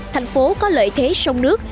thành phố có lợi thế sông nước